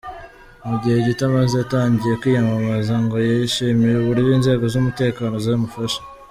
Mu gihe gito amaze atangiye kwiyamamaza ngo yishimira uburyo inzego z’umutekano zimufasha.